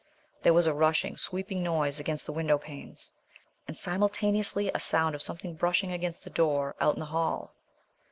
There was a rushing, sweeping noise against the window panes, and simultaneously a sound of something brushing against the door out in the hall.